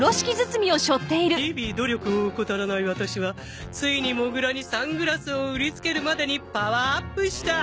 日々努力を怠らないワタシはついにモグラにサングラスを売りつけるまでにパワーアップした！